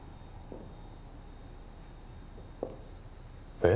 えっ？